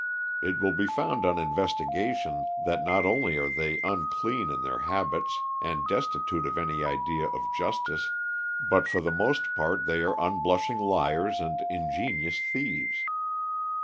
It will be found on investigation that not only are they unclean in their habits and destitute of any idea of justice, but for the most part they are unblushing liars and ingenious thieves.